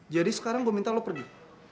jadi sekarang gue minta lo pergi